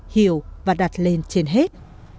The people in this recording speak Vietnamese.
hiểu và đặt lên trên hết